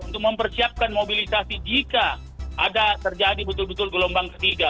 untuk mempersiapkan mobilisasi jika ada terjadi betul betul gelombang ketiga